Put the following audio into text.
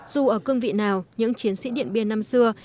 dù ở cương vị nào những chiến sĩ điện biên năm xưa